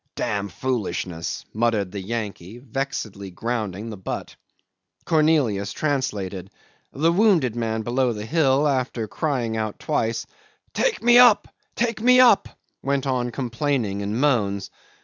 "Dam' foolishness," muttered the Yankee, vexedly grounding the butt. Cornelius translated. The wounded man below the hill, after crying out twice, "Take me up! take me up!" went on complaining in moans.